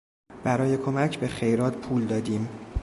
برای کمک به خیرات پول دادیم.